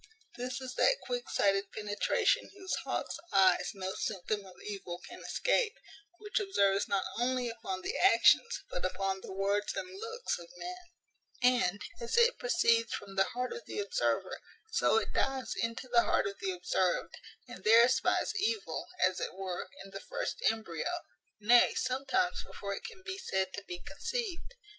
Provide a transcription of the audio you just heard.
This is that quick sighted penetration whose hawk's eyes no symptom of evil can escape; which observes not only upon the actions, but upon the words and looks, of men; and, as it proceeds from the heart of the observer, so it dives into the heart of the observed, and there espies evil, as it were, in the first embryo; nay, sometimes before it can be said to be conceived.